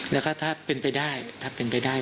แล้วก็ถ้าเป็นไปได้